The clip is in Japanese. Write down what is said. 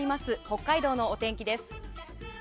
北海道のお天気です。